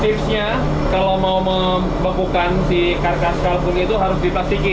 tipsnya kalau mau membekukan si karkas kalkun itu harus dipastiki